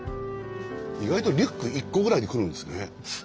意外とリュック１個ぐらいで来るんですね。